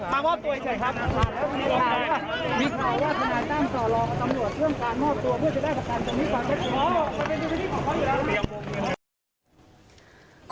มามอบตัวเจยังเชิงครับ